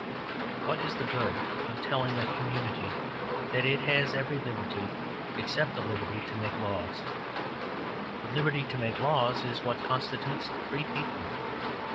What is the good of telling a community that it has every liberty except the liberty to make laws? The liberty to make laws is what constitutes a free people.